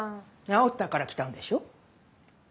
治ったから来たんでしょ。